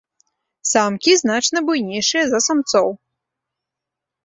Самкі значна буйнейшыя за самцоў.